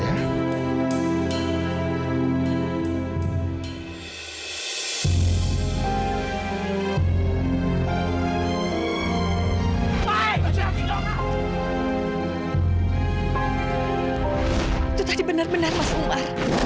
itu tadi benar benar mas umar